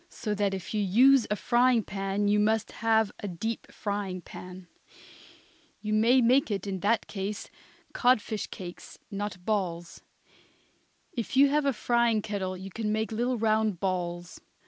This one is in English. So that if you use a frying pan you must have a deep frying pan. You may make in that case codfish cakes, not balls. If you have a frying kettle you can make little round balls.